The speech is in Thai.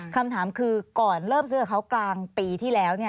คำถามคือก่อนเริ่มซื้อกับเขากลางปีที่แล้ว